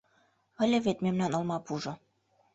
Ыле вет мемнан олмапужо